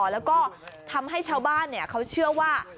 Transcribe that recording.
แล้วก็ทำให้ชาวบ้านเขาเชื่อว่า